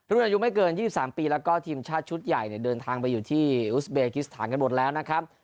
รุ่นอายุไม่เกิน๒๓ปีแล้วก็ทีมชาติชุดใหญ่เนี่ยเดินทางไปอยู่ที่อุสเบกิสถานกันหมดแล้วนะครับ